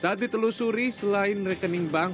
saat ditelusuri selain rekening bank